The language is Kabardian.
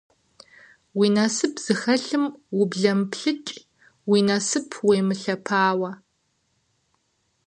Уи насып зыхэлъым ублэмыплъыкӏ, уи насып уемылъэпауэ.